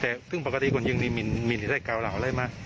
แต่พอปกติคนยิงเนี่ยมีนิสัยเกาเหล่าอะไรปะ